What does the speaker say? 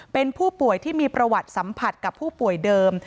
เป็นผู้ป่วยที่มีประวัติสัมผัสกับผู้ป่วยเดิม